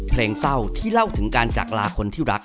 เพลงเศร้าที่เล่าถึงการจากลาคนที่รัก